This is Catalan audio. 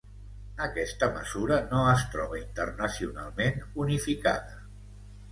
Aquesta mesura no es troba internacionalment unificada.